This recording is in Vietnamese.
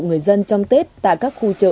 người dân trong tết tại các khu chợ